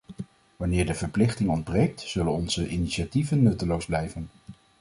Wanneer de verplichting ontbreekt zullen onze initiatieven nutteloos blijven.